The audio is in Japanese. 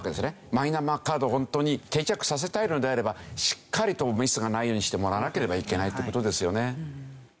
マイナンバーカードをホントに定着させたいのであればしっかりとミスがないようにしてもらわなければいけないという事ですよね。